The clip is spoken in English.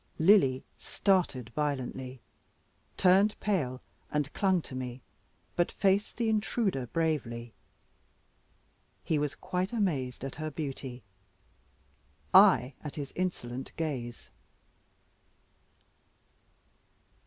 Lily started violently, turned pale, and clung to me, but faced the intruder bravely. He was quite amazed at her beauty, I at his insolent gaze.